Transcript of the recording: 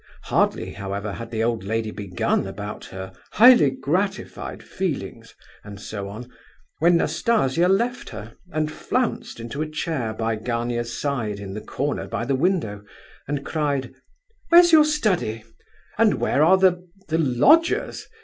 Hardly, however, had the old lady begun about her "highly gratified feelings," and so on, when Nastasia left her, and flounced into a chair by Gania's side in the corner by the window, and cried: "Where's your study? and where are the—the lodgers?